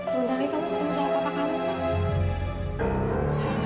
sebentar lagi kamu ketemu sama papa kamu